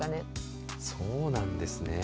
そうなんですね。